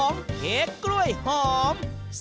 เค้กกล้วยหอม